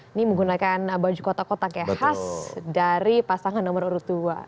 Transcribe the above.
ini menggunakan baju kotak kotak khas dari pasangan nomor urut dua